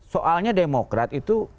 soalnya demokrat itu